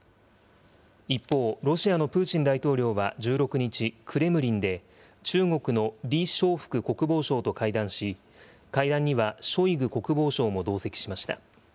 一方、ロシアのプーチン大統領は１６日、クレムリンで、中国の李尚福国防相と会談し、会談にはショイグ国防相も同席しました。